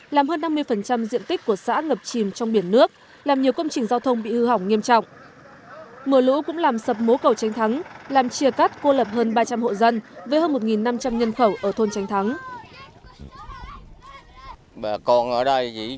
làm hơn năm mươi diện tích của xã ngập chìm trong biển nước làm nhiều công trình giao thông bị hư hỏng nghiêm trọng